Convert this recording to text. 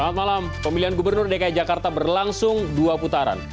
selamat malam pemilihan gubernur dki jakarta berlangsung dua putaran